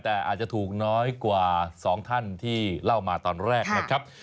แต่อาจจะถูกน้อยกว่า๒ท่านที่เล่ามาตอนแรกนะครับ